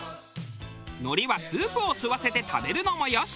海苔はスープを吸わせて食べるのもよし。